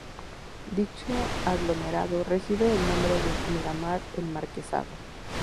Dicho aglomerado recibe el nombre de Miramar-El Marquesado.